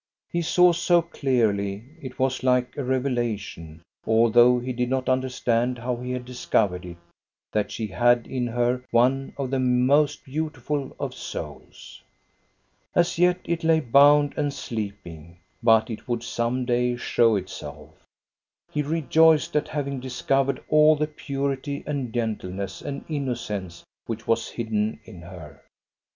He saw so clearly it was like a revelation, although he did not understand how he had discovered it, that she had in her one of the most beautiful of souls. As yet it lay bound and sleeping; but it would THE YOUNG COUNTESS 191 some day show itself. He rejoiced at having discov ered all the purity and gentleness and innocence which was hidden in her.